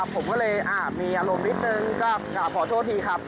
ผมก็เลยมีอารมณ์นิดนึงก็ขอโทษทีครับ